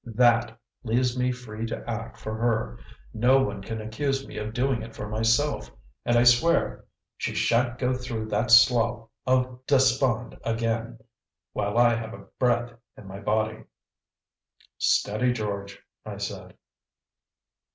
THAT leaves me free to act for her; no one can accuse me of doing it for myself. And I swear she sha'n't go through that slough of despond again while I have breath in my body!" "Steady, George!" I said.